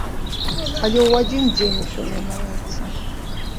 Але ў адзін дзень усё мяняецца.